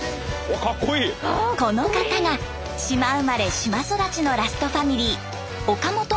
この方が島生まれ島育ちのラストファミリー